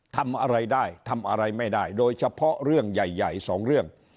ทำอะไรได้ทำอะไรไม่ได้โดยเฉพาะเรื่องใหญ่สองเรื่อง